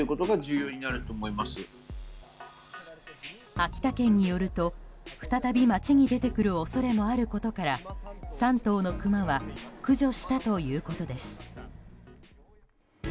秋田県によると、再び町に出てくる恐れもあることから３頭のクマは駆除したということです。